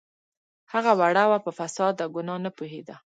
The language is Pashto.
هغه وړه وه په فساد او ګناه نه پوهیده